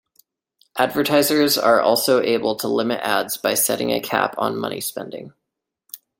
Advertisers are also able to limit ads by setting a cap on money-spending.